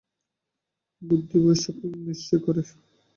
বুদ্ধি ঐ-সকল বিষয় নিশ্চয় করে।